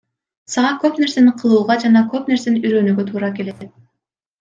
Сага көп нерсени кылууга жана көп нерсени үйрөнүүгө туура келет.